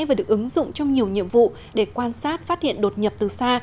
và được ứng dụng trong nhiều nhiệm vụ để quan sát phát hiện đột nhập từ xa